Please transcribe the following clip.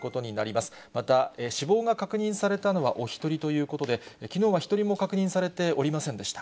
また死亡が確認されたのはお１人ということで、きのうは１人も確認されておりませんでした。